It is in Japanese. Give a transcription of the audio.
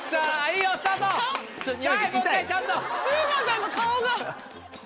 風磨さんの顔が。